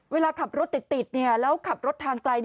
เวลาขับรถติดแล้วขับรถทางไกล